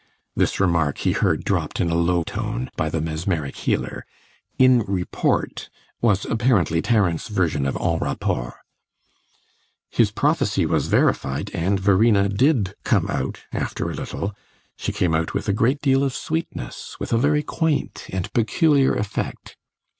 This remark he heard dropped in a low tone by the mesmeric healer; "in report" was apparently Tarrant's version of en rapport. His prophecy was verified, and Verena did come out, after a little; she came out with a great deal of sweetness with a very quaint and peculiar effect.